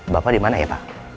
bapak dimana ya pak